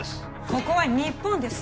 ここは日本です